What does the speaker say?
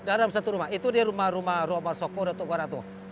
dalam satu rumah itu di rumah rumah rumah soko datuk kodang kelipa batu sanggan itu